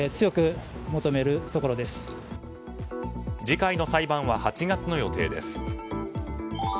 次回の裁判は８月の予定です。